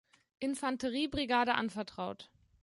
Infanterie-Brigade anvertraut.